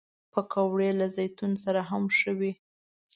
پکورې له زیتون سره هم ښه وي